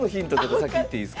先いっていいすか？